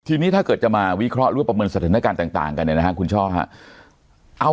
ทีนี้ถ้าเกิดจะมาวิเคราะห์หรือว่าประเมินสถานการณ์ต่างกันเนี่ยนะครับคุณช่อครับ